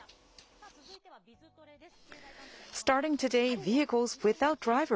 さあ、続いては、Ｂｉｚトレです。